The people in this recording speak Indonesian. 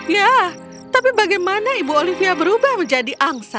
ya tapi bagaimana ibu olivia berubah menjadi angsa